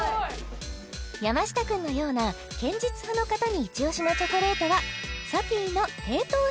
山下くんのような堅実派の方にイチオシのチョコレートはサティーの低糖質